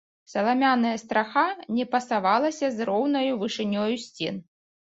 Саламяная страха не пасавалася з роўнаю вышынёю сцен.